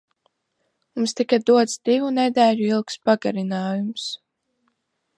Mums tika dots divu nedēļu ilgs pagarinājums.